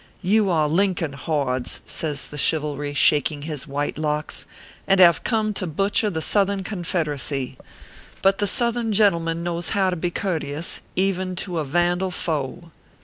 You are Lincoln hordes," says the Chiv alry, shaking his white locks, " and have come to butcher the Southern Confederacy ; but the Southern gentleman knows how to be courteous, even to a van dal foe."